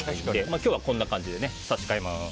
今日はこんな感じで差し替えます。